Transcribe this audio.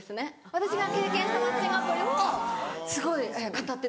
私が経験したマッチングアプリをすごい語ってる。